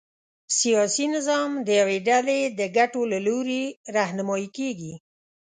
سیاسي نظام د یوې ډلې د ګټو له لوري رهنمايي کېږي.